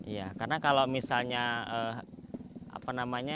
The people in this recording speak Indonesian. ya karena kalau misalnya apa namanya